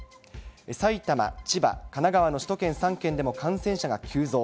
埼玉、千葉、神奈川の首都圏３県でも感染者が急増。